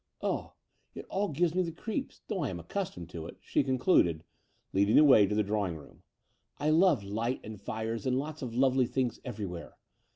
Ugh, it all gives me creeps, though I am accustomed to it," she concluded, leading the way to the drawing room. '' I love light and fires and lots of lovely things everywhere.